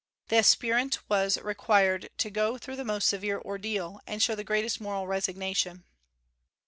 The aspirant was required to go through the most severe ordeal, and show the greatest moral resignation."